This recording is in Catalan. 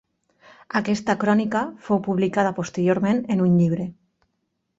Aquesta crònica fou publicada posteriorment en un llibre.